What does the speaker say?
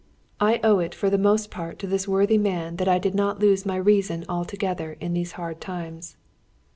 I owe it for the most part to this worthy man that I did not lose my reason altogether in these hard times.